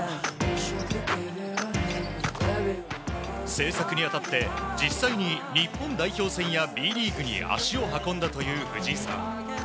制作に当たって実際に日本代表戦やＢリーグに足を運んだという藤井さん。